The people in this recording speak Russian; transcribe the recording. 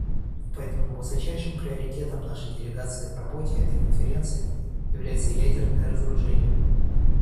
И поэтому высочайшим приоритетом нашей делегации в работе этой Конференции является ядерное разоружение.